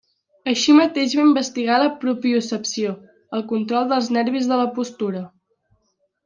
Així mateix va investigar la propiocepció, el control dels nervis de la postura.